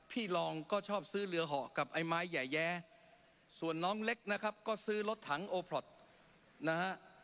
พี่รองก็ชอบซื้อเรือเหาะกับไอ้ไม้แย่ส่วนน้องเล็กนะครับก็ซื้อรถถังโอพลอตนะฮะ